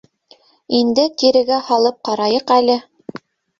Инде тирегә һалып ҡарайыҡ әле.